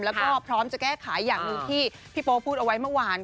แล้วก็พร้อมจะแก้ไขอย่างหนึ่งที่พี่โป๊พูดเอาไว้เมื่อวาน